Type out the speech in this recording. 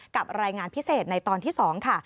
กับรายงานพิเศษในตอนที่๒ค่ะ